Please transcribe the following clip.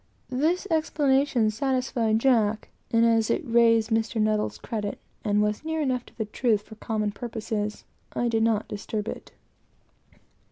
This explanation satisfied Jack; and as it raised Mr. N.'s credit for capacity, and was near enough to the truth for common purposes, I did not disturb it.